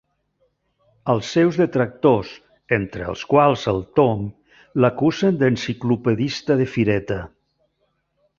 Els seus detractors, entre els quals el Tom, l'acusen d'enciclopedista de fireta.